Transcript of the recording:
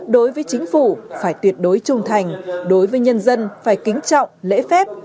đối với chính phủ phải tuyệt đối trung thành đối với nhân dân phải kính trọng lễ phép